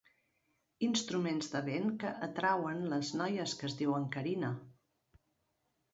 Instruments de vent que atrauen les noies que es diuen Carina.